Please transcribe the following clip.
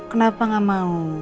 kenapa nggak mau